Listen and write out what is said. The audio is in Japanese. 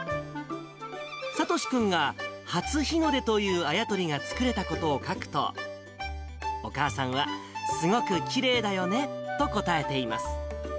聡志君が初日の出というあや取りが作れたことを書くと、お母さんは、すごくきれいだよね！と答えています。